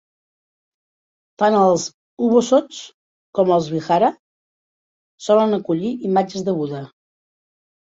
Tants els "ubosots" com els vihara solen acollir imatges de Buda.